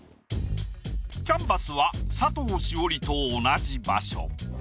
キャンバスは佐藤詩織と同じ場所。